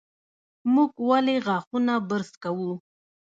موږ ولې غاښونه برس کوو؟